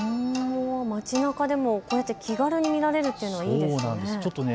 街なかでも気軽に見られるというのはいいですね。